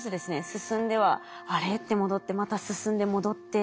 進んでは「あれ？」って戻ってまた進んで戻って。